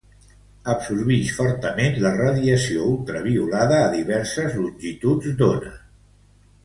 Absorbix fortament la radiació ultraviolada a diverses longituds d'ona.